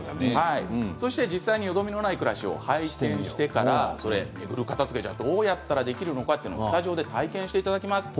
実際によどみのない暮らしを体験してからどうやったら片づけができるのかスタジオで体験していただきます。